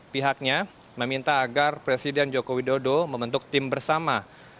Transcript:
pihaknya meminta agar presiden joko widodo membentuk tim bersama